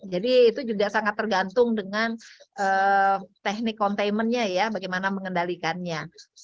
jadi itu juga sangat tergantung dengan teknik containmentnya ya bagaimana mengendalikannya